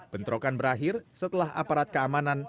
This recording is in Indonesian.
bentrokan berakhir setelah aparat keamanan